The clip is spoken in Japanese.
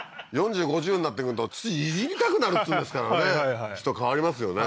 ふふっ４０５０になってくると土いじりたくなるっていうんですからね人変わりますよね